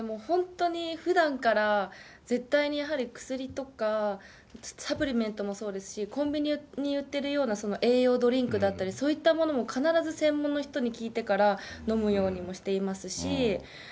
本当にふだんから、絶対にやはり、薬とか、サプリメントもそうですし、コンビニに売ってるような栄養ドリンクだったり、そういったものも必ず専門の人に聞いてから、飲むようにもしていますし。